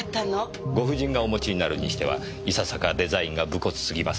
ご婦人がお持ちになるにしてはいささかデザインが無骨すぎます。